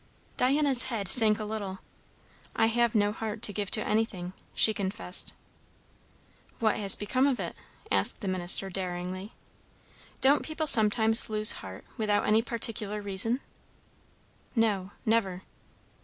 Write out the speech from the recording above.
'" Diana's head sank a little. "I have no heart to give to anything!" she confessed. "What has become of it?" asked the minister daringly. "Don't people sometimes lose heart without any particular reason?" "No; never."